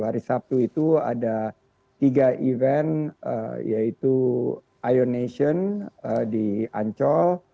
hari sabtu itu ada tiga event yaitu ion nation di ancol